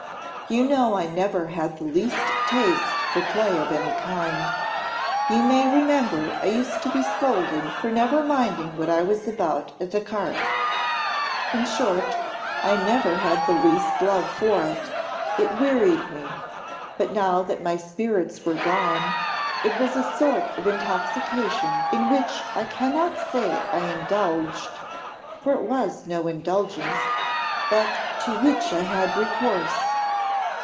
"You know I never had the least taste for play of any kind: you may remember I used to be scolded for never minding what I was about at ecarté: in short, I never had the least love for it it wearied me; but now that my spirits were gone, it was a sort of intoxication in which I cannot say I indulged for it was no indulgence, but to which I had recourse.